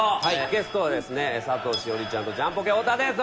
ゲストはですね佐藤栞里ちゃんとジャンポケ太田です。